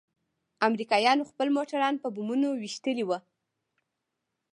امريکايانو خپل موټران په بمونو ويشتلي وو.